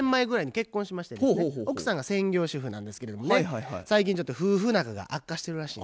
奥さんが専業主婦なんですけれどもね最近ちょっと夫婦仲が悪化してるらしい。